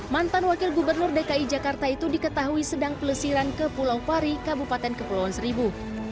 mantan wakil gubernur dki jakarta itu diketahui sedang pelesiran ke pulau pari kabupaten kepulauan seribu